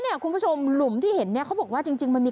คุณผู้ชมหลุมที่เห็นเนี่ยเขาบอกว่าจริงมันมี